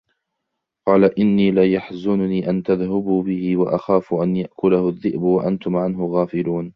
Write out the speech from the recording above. قال إني ليحزنني أن تذهبوا به وأخاف أن يأكله الذئب وأنتم عنه غافلون